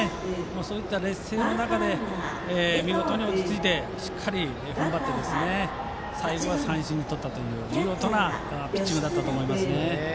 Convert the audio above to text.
そういった劣勢の中で落ち着いてしっかり踏ん張って最後は三振に取ったという見事なピッチングだったと思います。